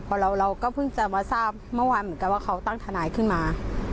เพราะเราก็เพิ่งจะมาทราบเมื่อวานเหมือนกันว่าเขาตั้งทนายขึ้นมา